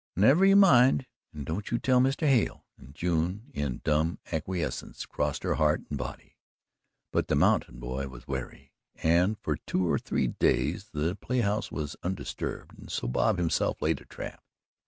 "Never you mind and don't you tell Mr. Hale," and June in dumb acquiescence crossed heart and body. But the mountain boy was wary, and for two or three days the play house was undisturbed and so Bob himself laid a trap.